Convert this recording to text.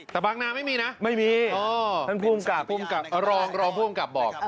แต่บังนาไม่มีนะอเจมส์ไม่มีท่านภูมิกลับร้องภูมิกลับบอก